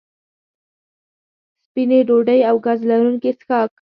سپینې ډوډۍ او ګاز لرونکي څښاک